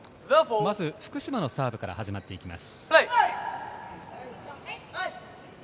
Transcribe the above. まず福島のサーブから始まっていきます。